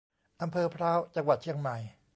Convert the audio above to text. อำเภอพร้าว จังหวัดเชียงใหม่